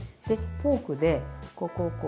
フォークでここをこう。